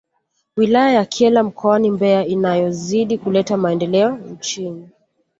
Wilaya ya Kyela mkoani Mbeya inayozidi kuleta maendeleo nchini